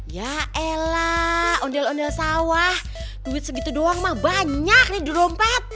ya elah ondel ondel sawah duit segitu doang mah banyak nih dirompat